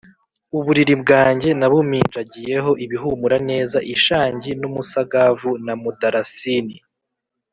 uburiri bwanjye nabuminjagiyeho ibihumura neza, ishangi n’umusagavu na mudarasini